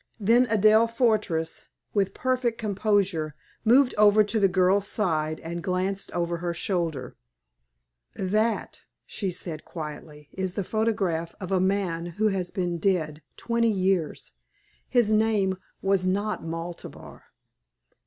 Then Adelaide Fortress, with perfect composure, moved over to the girl's side, and glanced over her shoulder. "That," she said, quietly, "is the photograph of a man who has been dead twenty years. His name was not Maltabar."